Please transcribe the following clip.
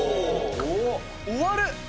「終わる！